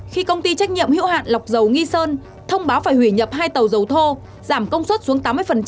khi công ty trách nhiệm hiệu hạn lọc dầu nghi sơn thông báo phải hủy nhập hai tàu dầu thô giảm công suất xuống tám mươi